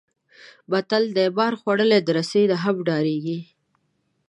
متل دی: مار خوړلی د رسۍ نه هم ډارېږي.